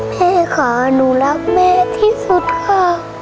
เฮ้ยขออนุลักษณ์แม่ที่สุดค่ะ